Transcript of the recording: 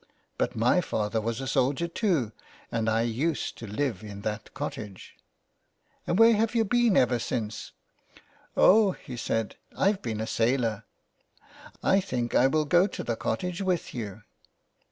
" But my father was a soldier too, and I used to live in that cottage." '* And where have you been ever since ?"'* Oh," he said, " I've been a sailor. I think I will go to the cottage with you."